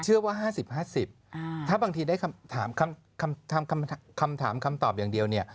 เชื่อว่า๕๐๕๐ถ้าบางทีได้คำถามคำตอบอย่างเดียวเนี่ย